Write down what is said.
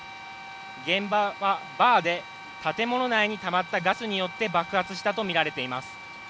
現場はバーで、建物内にたまったガスによって爆発したとみられています。